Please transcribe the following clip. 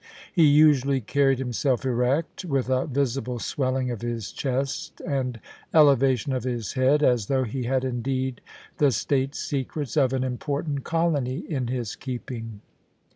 He usually carried himself erect, with a visible swelling of his chest and elevation of his head, as though he had indeed the state secrets of an important colony in his keeping.